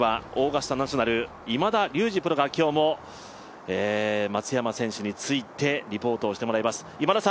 そして、現場にはオーガスタ・ナショナル、今田竜二プロが今日も松山選手についてリポートをしてもらいます。